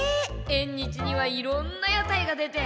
えん日にはいろんな屋台が出て。